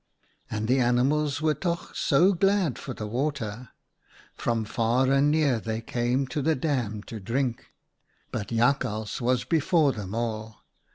" And the animals were toch so glad for the water ! From far and near they came to the dam to drink. " But Jakhals was before them all.